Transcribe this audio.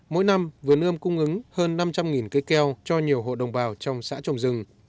mỗi năm vườn ươm cung ứng hơn năm trăm linh cây keo cho nhiều hộ đồng bào trong xã trồng rừng